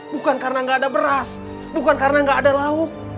bukan karena nggak ada beras bukan karena nggak ada lauk